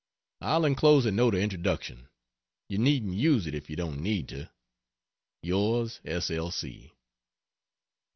I'll enclose a note of introduction you needn't use it if you don't need to. Yours S. L.